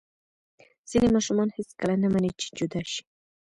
ځینې ماشومان هېڅکله نه مني چې جدا شي.